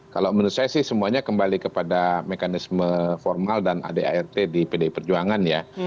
kalau menurut saya sih semuanya kembali kepada mekanisme formal dan adart di pdi perjuangan ya